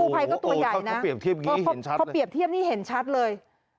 ภัยก็ตัวใหญ่นะพอเปรียบเทียบนี่เห็นชัดเลย